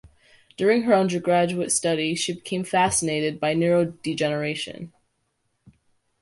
During her undergraduate studies she became fascinated by neurodegeneration.